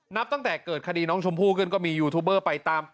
นับตั้งแต่เกิดคดีน้องชมพู่ขึ้นก็มียูทูบเบอร์ไปตาม